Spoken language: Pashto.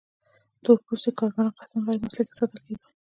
تور پوستي کارګران قصداً غیر مسلکي ساتل کېدل.